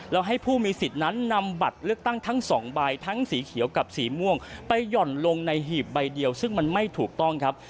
แล้วให้ผู้มีสิทธิ์นั้นนำบัตรเลือกตั้งทั้งสองใบทั้งสีเขียวกับสีม่วงไปหย่อนลงในหีบใบเดียวซึ่งมันไม่ถูกต้องครับ